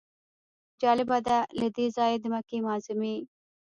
جالبه ده له دې ځایه د مکې معظمې.